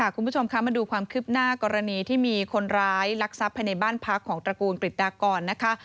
คุณผู้ชมคะมาดูความคืบหน้ากรณีที่มีคนร้ายลักทรัพย์ภายในบ้านพักของตระกูลกฤษฎากรนะคะ